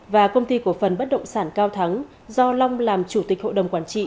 và công ty cổ phần bất động sản cao thắng do long làm chủ tịch hội đồng quản trị